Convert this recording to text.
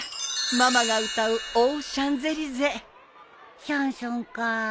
ママが歌う『オ・シャンゼリゼ』シャンソンか。